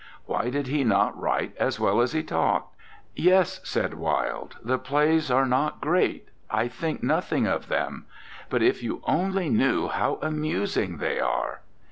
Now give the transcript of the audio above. Why did he not write as well as he talked? "Yes," said Wilde, "the plays are not great; I think nothing of them; ... but if you only knew how amusing they are!